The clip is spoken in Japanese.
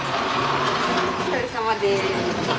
お疲れさまです。